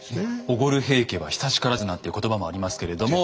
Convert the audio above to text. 「おごる平家は久しからず」なんて言葉もありますけれども。